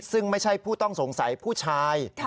ซึ่งไม่ใช่ผู้ต้องสงสัยผู้ชาย